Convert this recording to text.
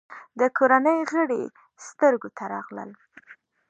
د کورنۍ غړي سترګو ته راغلل.